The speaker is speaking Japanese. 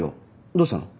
どうしたの？